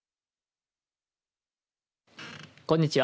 こんにちは。